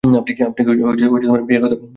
আপনি কি বিয়ের কথা ভাবছেন?